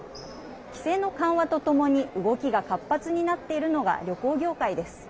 規制の緩和とともに動きが活発になっているのが旅行業界です。